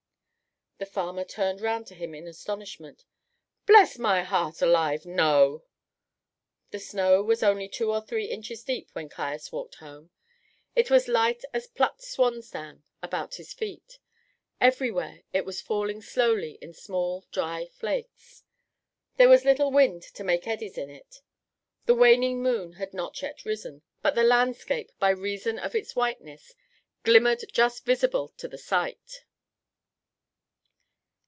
The farmer turned round to him in astonishment. "Bless my heart alive, no!" The snow was only two or three inches deep when Caius walked home; it was light as plucked swan's down about his feet. Everywhere it was falling slowly in small dry flakes. There was little wind to make eddies in it. The waning moon had not yet risen, but the landscape, by reason of its whiteness, glimmered just visible to the sight.